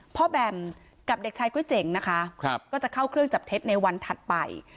แบมกับเด็กชายก๋วยเจ๋งนะคะก็จะเข้าเครื่องจับเท็จในวันถัดไป